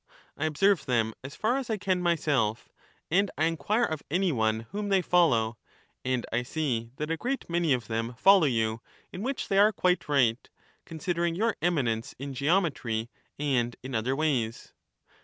I meeUng observe them as far as I can myself, and I enquire of any ^^ cyrene one whom they follow, and I see that a great many of them in an follow you, in which they are quite right, considering your ^1^*^ eminence in geometry and in other ways.